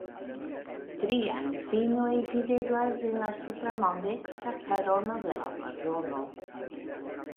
Tri anzinoj videblas en la supra maldekstra kvarono de la blazono.